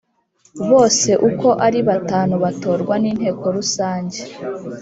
Bose uko ari batanu batorwa n ‘inteko rusange.